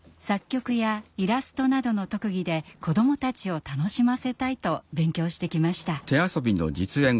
作曲やイラストなどの特技で子どもたちを楽しませたいと勉強してきました。